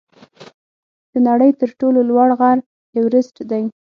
د نړۍ تر ټولو لوړ غر ایورسټ دی.